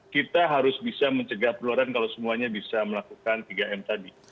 kita harus bisa mencegah penularan kalau semuanya bisa melakukan tiga m tadi